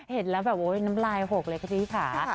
เห็นแล้วแบบโอ๊ยน้ำลายหกเลยค่ะพี่ค่ะ